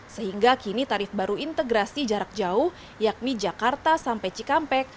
sehingga kini tarif baru integrasi jarak jauh yakni jakarta sampai cikampek